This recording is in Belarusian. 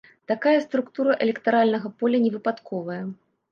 Такая структура электаральнага поля невыпадковая.